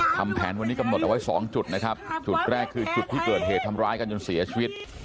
ทำแผนวันนี้กำหนดเอาไว้สองจุดนะครับจุดแรกคือจุดที่เกิดเหตุทำร้ายกันจนเสียชีวิต